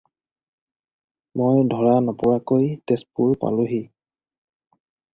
মই ধৰা নপৰাকৈ তেজপুৰ পালোঁহি।